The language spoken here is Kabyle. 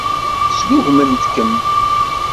Sgugment-kem.